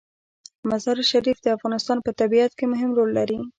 مزارشریف د افغانستان په طبیعت کې مهم رول لري.